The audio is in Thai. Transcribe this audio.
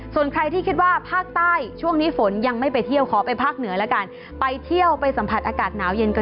ส่วนใครที่คิดว่าภาคใต้ช่วงนี้ฝนยังไม่ไปเที่ยวขอไปภาคเหนือแล้วกัน